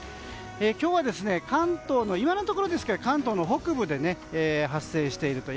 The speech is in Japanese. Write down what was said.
今日は今のところ関東の北部で発生していると。